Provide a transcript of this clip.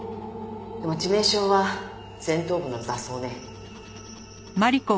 でも致命傷は前頭部の挫創ね。